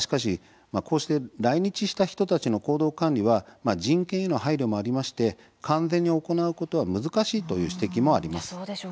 来日した人たちの行動管理は人権への配慮もありまして完全に行うことは難しいと指摘もあります。